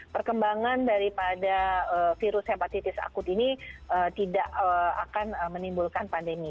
perkembangan daripada virus hepatitis akut ini tidak akan menimbulkan pandemi